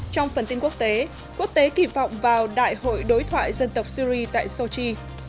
trong phần tin quốc tế quốc tế kỳ vọng vào đại hội đối thoại dân tộc syri tại sochi